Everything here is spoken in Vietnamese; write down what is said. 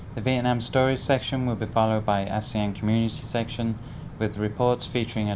như thường lệ tiểu mục chuyện xa xứ và nhắn gửi quê nhà